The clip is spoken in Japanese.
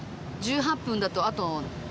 １８分だとあと。